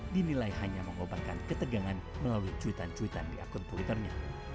dinilai hanya mengobatkan ketegangan melalui cuitan cuitan di akun twitternya